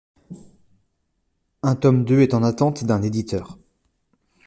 Un tome deux est en attente d'un éditeur.